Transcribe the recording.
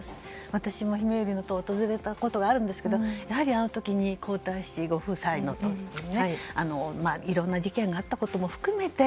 私も、ひめゆりの塔を訪れたことがあるんですがあの時に皇太子ご夫妻のいろんな事件があったことも含めて